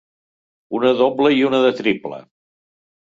Una doble i una de triple.